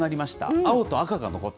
青と赤が残った。